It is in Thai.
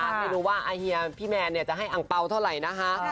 ไม่รู้ว่าอาเฮียพี่แมนจะให้อังเปล่าเท่าไหร่นะคะ